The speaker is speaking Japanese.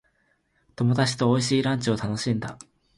友達と美味しいランチを楽しんだ。